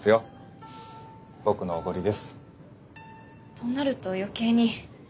となると余計に。